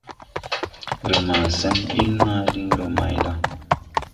Re ma sen ɓil naa diŋ re mayla? ».